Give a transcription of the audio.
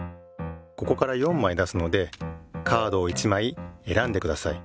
ここから４まい出すのでカードを１まいえらんでください。